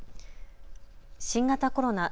新型コロナ。